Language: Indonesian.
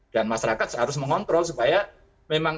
dan masyarakat harus mengontrol supaya memang